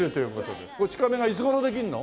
『こち亀』がいつ頃できるの？